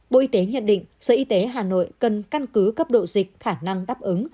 bộ y tế nhận định sở y tế hà nội cần căn cứ cấp độ dịch khả năng đáp ứng